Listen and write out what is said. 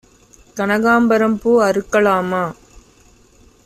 கனகாம்பரம் பூ அறுக்கலாமா?